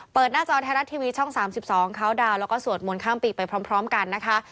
หน้าจอไทยรัฐทีวีช่อง๓๒เขาดาวน์แล้วก็สวดมนต์ข้ามปีไปพร้อมกันนะคะ